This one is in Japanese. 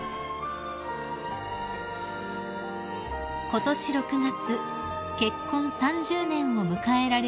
［ことし６月結婚３０年を迎えられる両陛下］